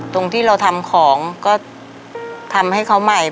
ตรงที่เราทำของก็ทำให้เขาใหม่